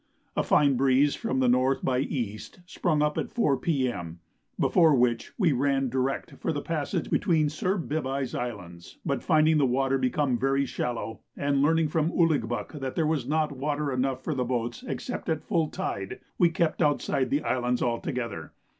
A fine breeze from N. by E. sprung up at 4 P.M., before which we ran direct for the passage between Sir Bibye's Islands; but finding the water become very shallow, and learning from Ouligbuck that there was not water enough for boats except at full tide, we kept outside the islands altogether.